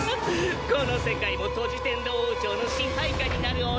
この世界もトジテンド王朝の支配下になるオリヒメ。